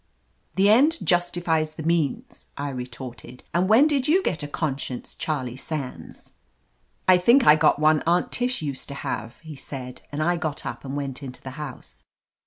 "The end justifies the means," I retorted; "and when did you get a conscience, Charlie Sands?" "I think I got one Aunt Tish used to have," he said, and I got up and went into the house.